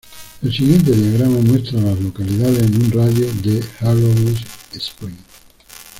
El siguiente diagrama muestra a las localidades en un radio de de Arrowhead Springs.